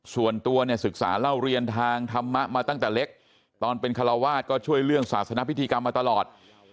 ส่วนตัวเนี่ยศึกษาเล่าเรียนทางธรรมะมาตั้งแต่เล็กตอนเป็นคาราวาสก็ช่วยเรื่องศาสนพิธีกรรมมาตลอด